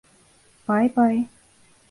Baybay.